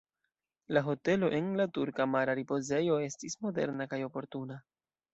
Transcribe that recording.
La hotelo en la turka mara ripozejo estis moderna kaj oportuna.